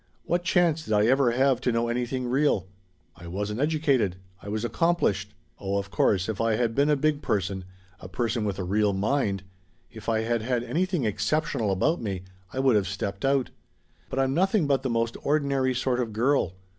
What chance did I ever have to know anything real? I wasn't educated. I was 'accomplished.' Oh, of course, if I had been a big person, a person with a real mind if I had had anything exceptional about me I would have stepped out. But I'm nothing but the most ordinary sort of girl.